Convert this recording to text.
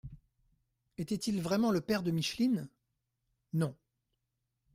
—Était-il vraiment le père de Micheline ? —Non.